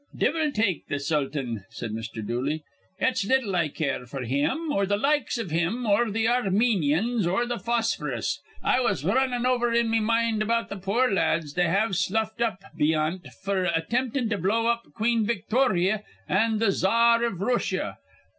"Divvle take th' sultan," said Mr. Dooley. "It's little I care f'r him or th' likes iv him or th' Ar menyans or th' Phosphorus. I was runnin' over in me mind about th' poor lads they have sloughed up beyant f'r attimptin' to blow up Queen Victorya an' th cza ar iv Rooshia.